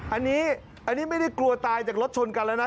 อันนี้อันนี้ไม่ได้กลัวตายจากรถชนกันแล้วนะ